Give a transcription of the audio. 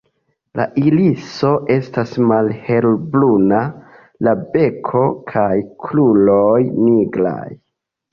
La iriso estas malhelbruna, la beko kaj kruroj nigraj.